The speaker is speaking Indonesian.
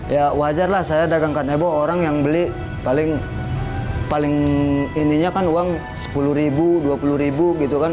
ya wajarlah saya dagang karnibo orang yang beli paling ininya kan uang sepuluh ribu dua puluh ribu gitu kan